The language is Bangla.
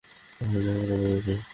আমার জ্যাকেট পরেছিস?